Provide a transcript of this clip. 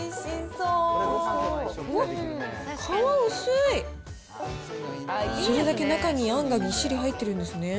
それだけ中にあんがぎっしり入ってるんですね。